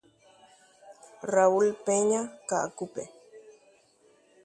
Raúl Peña Kaʼakupe.